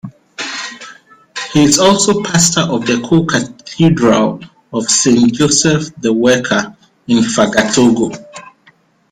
He is also pastor of the Co-Cathedral of Saint Joseph the Worker in Fagatogo.